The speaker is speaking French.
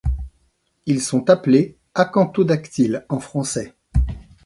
Ils sont appelés Acanthodactyles en français.